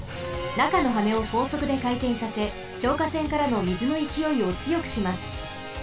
なかのはねをこうそくでかいてんさせ消火栓からのみずのいきおいをつよくします。